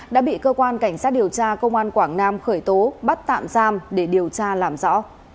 đã bị cơ quan cảnh sát điều tra công an quảng nam khởi tố bắt tạm giam để điều tra làm rõ